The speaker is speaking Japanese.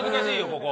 ここ。